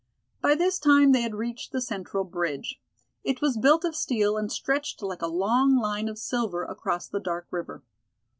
By this time they had reached the central bridge. It was built of steel and stretched like a long line of silver across the dark river.